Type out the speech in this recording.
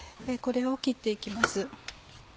これを切って行きます。